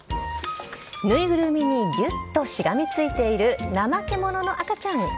縫いぐるみにぎゅっとしがみついている、ナマケモノの赤ちゃん。